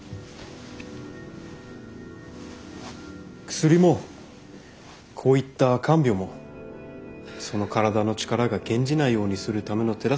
薬もこういった看病もその体の力が減じないようにするための手助けしかできないんです。